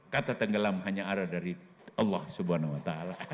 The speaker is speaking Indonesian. kata tenggelam hanya ada dari allah swt